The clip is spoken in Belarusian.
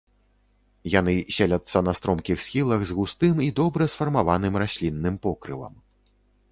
Яны селяцца на стромкіх схілах з густым і добра сфармаваным раслінным покрывам.